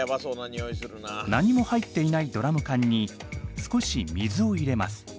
何も入っていないドラム缶に少し水を入れます。